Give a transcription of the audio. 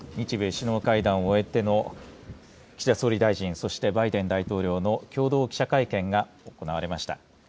およそ４０分にわたって、日米首脳会談を終えての岸田総理大臣、そしてバイデン大統領の共同記者会見が行われました。